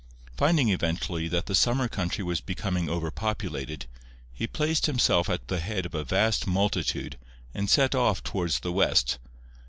Finding eventually that the summer country was becoming over populated, he placed himself at the head of a vast multitude and set off towards the west.